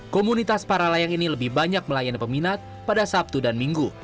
komunitas para layang ini lebih banyak melayani peminat pada sabtu dan minggu